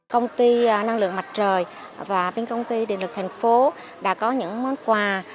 công ty năng lượng mặt trời và bên công ty điện lực tp hcm đã có những món quà